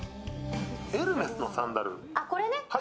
エルメスのサンダル。